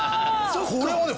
これはね